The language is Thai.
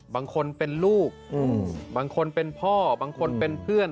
บางคนเป็นลูกบางคนเป็นพ่อบางคนเป็นเพื่อน